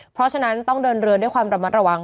เพราะฉะนั้นต้องเดินเรือด้วยความระมัดระวัง